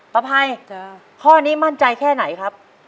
ภัยข้อนี้มั่นใจแค่ไหนครับ